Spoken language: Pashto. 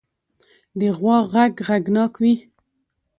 د غوا غږ غږناک وي.